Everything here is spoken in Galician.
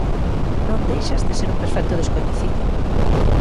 Non deixas de ser un perfecto descoñecido...